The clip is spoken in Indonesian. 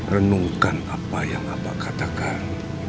renungkan apa yang bapak katakan